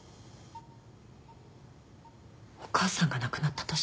お母さんが亡くなった年？